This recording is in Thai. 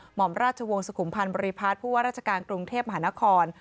หมอมราชวงศ์สุขุมพันธ์บริพัฒน์ผู้ว่าราชการกรุงเทพมหานคร